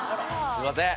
すいません。